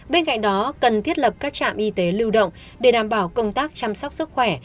bên cạnh đó cần thiết lập các trạm y tế lưu động để đảm bảo công tác chăm sóc sức khỏe